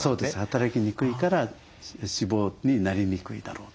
働きにくいから脂肪になりにくいだろうと。